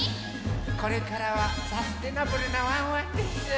これからはサステナブルなワンワンです。